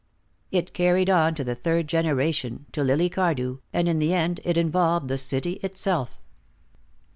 It carried on to the third generation, to Lily Cardew, and in the end it involved the city itself.